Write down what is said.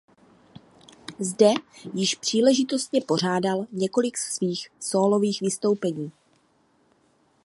Zde již příležitostně pořádal několik svých sólových vystoupení.